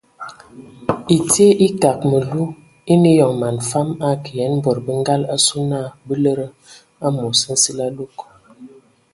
Ɛtie ekag məlu eine eyɔŋ man fam akə yen bod bə ngal asu na bə lede amos nsili alug.